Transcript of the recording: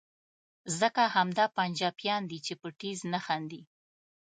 ځکه همدا پنجابیان دي چې په ټیز نه خاندي.